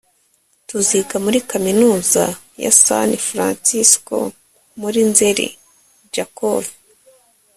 tuziga muri kaminuza ya san francisco muri nzeri. (jakov